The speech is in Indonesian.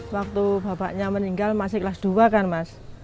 waktu bapaknya meninggal masih kelas dua kan mas